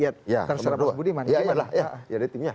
terus ada mas budiman